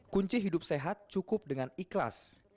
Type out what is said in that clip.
kunci hidup sehat cukup dengan ikhlas